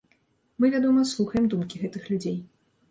Мы, вядома, слухаем думкі гэтых людзей.